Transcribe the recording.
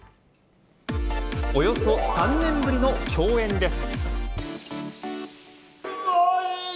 およそ３年ぶりの共演です。